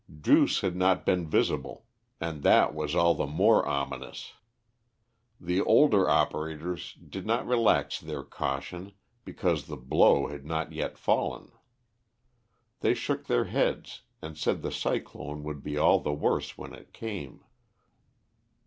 Druce had not been visible, and that was all the more ominous. The older operators did not relax their caution, because the blow had not yet fallen. They shook their heads, and said the cyclone would be all the worse when it came.